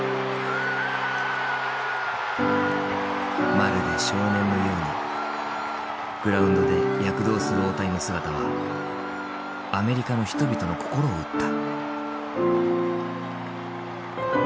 まるで少年のようにグラウンドで躍動する大谷の姿はアメリカの人々の心を打った。